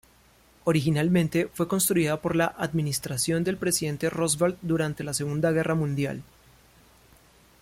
Originalmente fue construida por la Administración del presidente Roosevelt durante la Segunda Guerra Mundial.